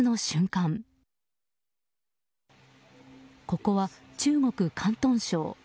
ここは中国・広東省。